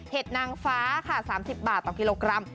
นางฟ้าค่ะ๓๐บาทต่อกิโลกรัม